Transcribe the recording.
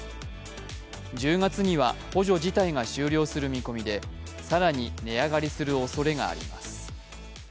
１０月には、補助自体が終了する見込みで、更に値上がりするおそれがあります。